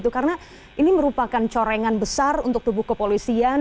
karena ini merupakan corengan besar untuk tubuh kepolisian